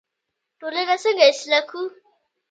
ټولنه څنګه اصلاح کړو؟